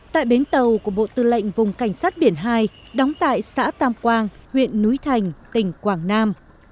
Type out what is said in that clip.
tại bến tàu của bộ tư lệnh vùng cảnh sát biển hai đóng tại xã tam quang huyện núi thành tỉnh quảng nam